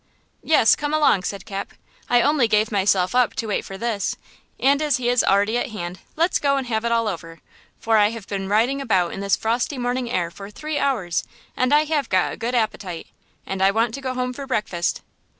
"Yes, come along," said Cap. "I only gave myself up to wait for this; and as he is already at hand, let's go and have it all over, for I have been riding about in this frosty morning air for three hours, and I have got a good appetite, and I want to go home to breakfast."